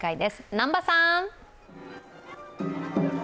南波さん！